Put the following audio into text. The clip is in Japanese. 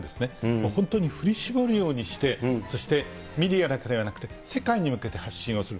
もう本当に振り絞るようにして、そしてメディアだけではなくて、世界に向けて発信をする。